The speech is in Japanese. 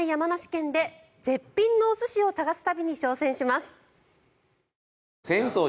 海のない山梨県で絶品のお寿司を探す旅に挑戦します。